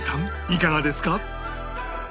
いかがですか？